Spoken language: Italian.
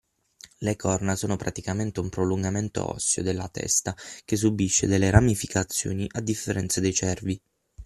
Le corna sono praticamente un prolungamento osseo della testa che subisce delle ramificazioni a differenza dei cervi.